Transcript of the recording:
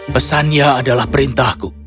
pesannya adalah perintahku